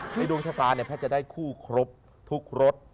ในดวงชะตาแพทย์จะได้คู่ครบทุกรส